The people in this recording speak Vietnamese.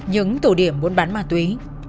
những tổ điểm buôn bán ma túy